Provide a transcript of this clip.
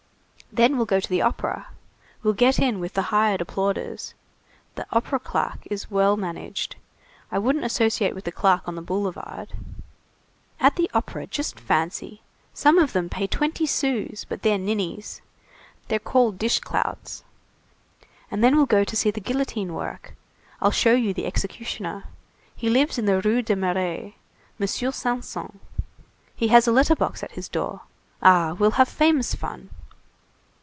Then, we'll go to the Opera. We'll get in with the hired applauders. The Opera claque is well managed. I wouldn't associate with the claque on the boulevard. At the Opera, just fancy! some of them pay twenty sous, but they're ninnies. They're called dishclouts. And then we'll go to see the guillotine work. I'll show you the executioner. He lives in the Rue des Marais. Monsieur Sanson. He has a letter box at his door. Ah! we'll have famous fun!"